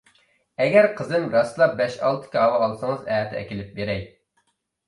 ئەگەر قىزىم راستلا بەش-ئالتە كاۋا ئالسىڭىز ئەتە ئەكېلىپ بېرەي.